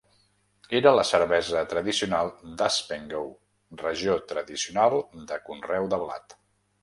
Era la cervesa tradicional d'Haspengouw, regió tradicional de conreu de blat.